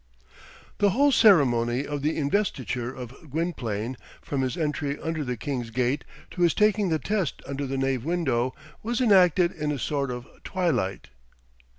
The whole ceremony of the investiture of Gwynplaine, from his entry under the King's Gate to his taking the test under the nave window, was enacted in a sort of twilight.